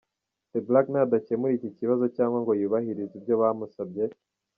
The Black ni adakemura iki kibazo cyangwa ngo yubahirize ibyo bamusabye,.